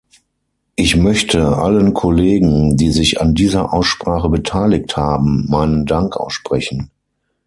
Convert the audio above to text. Ich möchte allen Kollegen, die sich an dieser Aussprache beteiligt haben, meinen Dank aussprechen.